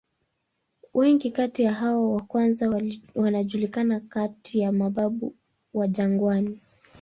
Wengi kati ya hao wa kwanza wanajulikana kati ya "mababu wa jangwani".